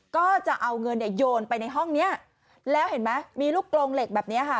ก็จะเอาเงินเนี่ยโยนไปในห้องเนี้ยแล้วเห็นไหมมีลูกกลงเหล็กแบบนี้ค่ะ